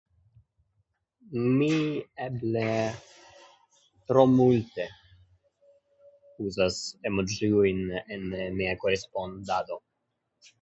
Mi eble tro multe uzas emoĝiojn en mia korespondado.